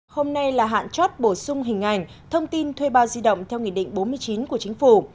hôm nay là hạn chót bổ sung hình ảnh thông tin thuê bao di động theo nghị định bốn mươi chín của chính phủ